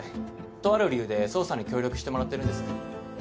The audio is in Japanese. とある理由で捜査に協力してもらってるんです。